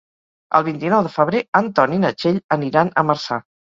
El vint-i-nou de febrer en Ton i na Txell aniran a Marçà.